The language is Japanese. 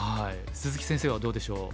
鈴木先生はどうでしょう？